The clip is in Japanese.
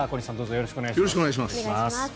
よろしくお願いします。